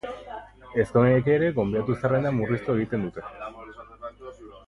Ezkongaiek ere gonbidatu-zerrenda murriztu egiten dute.